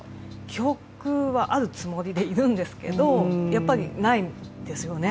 記憶はあるつもりでいるんですけど、やっぱりないですよね。